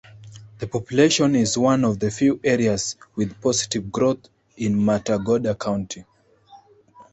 The population is one of the few areas with positive growth in Matagorda County.